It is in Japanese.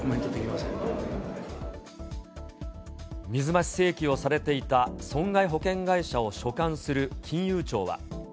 ま水増し請求をされていた損害保険会社を所管する金融庁は。